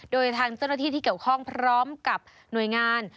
โดยทางเจ้าหน้าที่ที่เกี่ยวข้องพร้อมกับหน่วยงาน